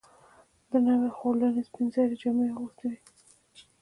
د ناوې خورلڼې سپین زري جامې اغوستې وې.